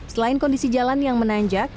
selain kondisi jalan yang menanjak